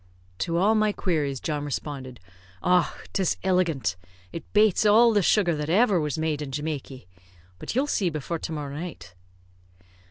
To all my queries, John responded, "Och! 'tis illigant. It bates all the sugar that ever was made in Jamaky. But you'll see before to morrow night."